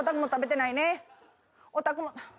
おたくも。